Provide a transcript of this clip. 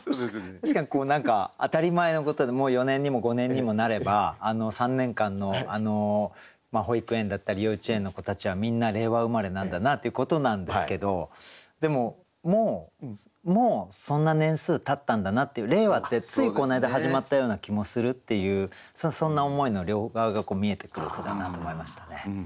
確かにこう何か当たり前のことでもう４年にも５年にもなれば３年間の保育園だったり幼稚園の子たちはみんな令和生まれなんだなっていうことなんですけどでももうもうそんな年数たったんだなっていう令和ってついこの間始まったような気もするっていうそんな思いの両側が見えてくる句だなと思いましたね。